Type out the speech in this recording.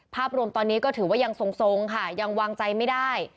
ภาพรวมตอนนี้ก็ถือว่ายังทรงค่ะยังวางใจไม่ได้